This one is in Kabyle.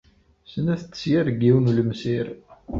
Snat n tesyar deg yiwen n ulemsir